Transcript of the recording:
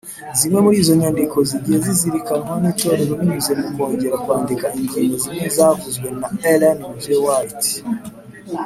Zimwe muri izo nyandiko zagiye zizirikanwa n’itorero binyuze mu kongera kwandika ingingo zimwe zavuzwe na Ellen G. White